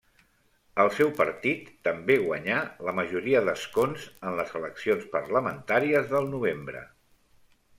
El seu partit també guanyà la majoria d'escons en les eleccions parlamentàries del novembre.